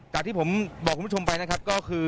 จากที่ผมบอกคุณผู้ชมไปนะครับก็คือ